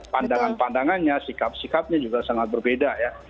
pandangan pandangannya sikap sikapnya juga sangat berbeda ya